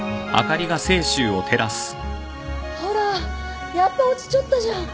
ほらやっぱ落ちちょったじゃん。